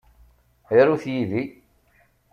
Arut yid-i.